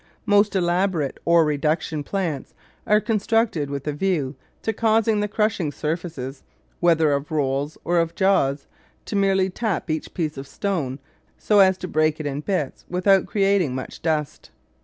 Most elaborate ore reduction plants are constructed with the view to causing the crushing surfaces, whether of rolls or of jaws, to merely tap each piece of stone so as to break it in bits without creating much dust.